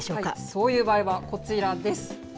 そういう場合は、こちらです。